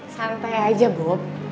santai aja bob